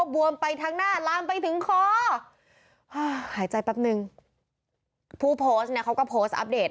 บวมไปทั้งหน้าลามไปถึงคอหายใจแป๊บนึงผู้โพสต์เนี่ยเขาก็โพสต์อัปเดต